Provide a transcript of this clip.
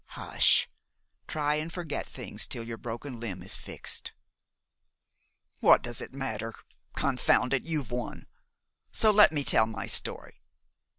"Hush! Try and forget things till your broken limb is fixed." "What does it matter? Confound it! you've won; so let me tell my story.